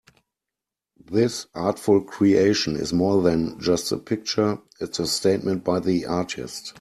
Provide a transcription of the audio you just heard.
This artful creation is more than just a picture, it's a statement by the artist.